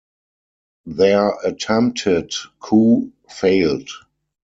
Their attempted coup failed.